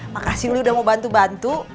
makasih lu udah mau bantu bantu